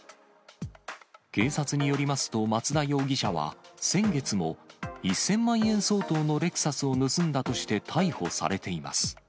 警察によりますと、松田容疑者は先月も１０００万円相当のレクサスを盗んだとして、逮捕されています。